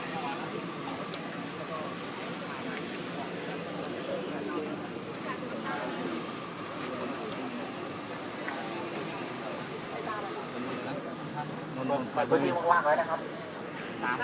เราไม่รักบ่อยเว่นรถว่ากเลยนะครับ